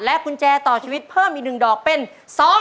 และกุญแจต่อชีวิตเพิ่มอีก๑ดอกเป็น๒ดอก